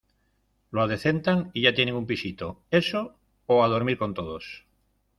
lo adecentan y ya tienen un pisito. eso o a dormir con todos .